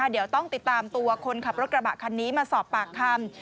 เดี๋ยวต้องติดตามตัวคนขับรถกระบะคันนี้มาสอบปากคำ